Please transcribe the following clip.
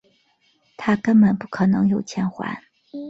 他根本不可能有钱还